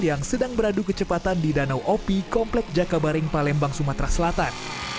yang sedang beradu kecepatan di danau opi komplek jakabaring palembang sumatera selatan